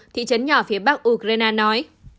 thị trấn nhỏ phía bắc ukraine nói